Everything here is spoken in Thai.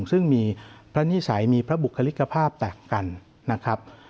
ซึ่งมีพระนิสัยมีพระบุคลิกภาพแตกกันนะครับ